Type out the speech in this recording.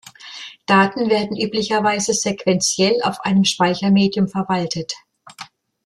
Daten werden üblicherweise sequentiell auf einem Speichermedium verwaltet.